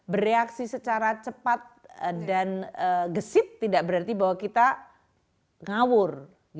bereaksi secara cepat dan gesit tidak berarti bahwa kita ngawur